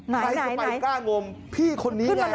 ใครจะไปกล้างมพี่คนนี้ไง